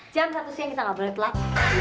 jam satu siang kita gak boleh telat